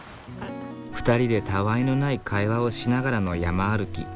２人でたわいのない会話をしながらの山歩き。